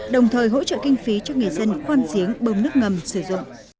đồng thời hỗ trợ kinh phí cho người dân khoan giếng bơm nước ngầm sử dụng